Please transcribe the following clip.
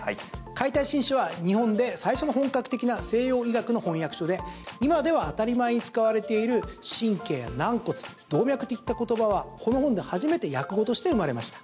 「解体新書」は日本で最初の本格的な西洋医学の翻訳書で今では当たり前に使われている神経や軟骨、動脈といった言葉はこの本で初めて訳語として生まれました。